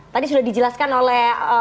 tadi sudah dijelaskan oleh